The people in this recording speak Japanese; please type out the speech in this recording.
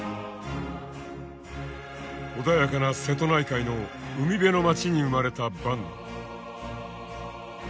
穏やかな瀬戸内海の海辺の町に生まれた坂野。